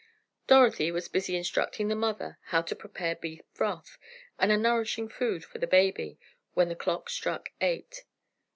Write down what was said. Dorothy was busy instructing the mother how to prepare beef broth, and a nourishing food for the baby, when the clock struck eight.